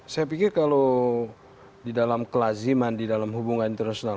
saya pikir kalau di dalam kelaziman di dalam hubungan internasional